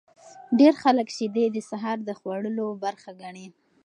ډیر خلک شیدې د سهار د خوړلو برخه ګڼي.